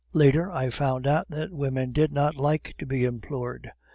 Later, I found out that women did not like to be implored.